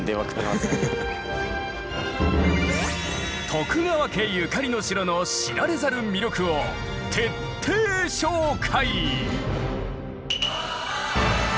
徳川家ゆかりの城の知られざる魅力を徹底紹介！